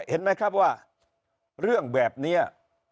เห็นมั้ยครับว่าเรื่องแบบเนี้ย